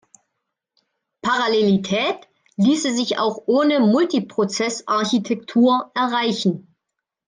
Parallelität ließe sich auch ohne Multiprozess-Architektur erreichen.